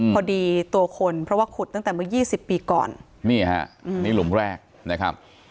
ตัวคนเพราะว่าขุดตั้งแต่เมื่อยี่สิบปีก่อนนี่ฮะนี่หลุมแรกนะครับ